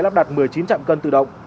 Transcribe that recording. lắp đặt một mươi chín trạm cân tự động